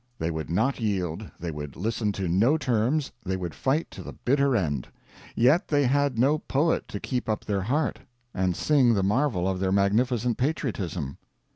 They would not yield, they would listen to no terms, they would fight to the bitter end. Yet they had no poet to keep up their heart, and sing the marvel of their magnificent patriotism.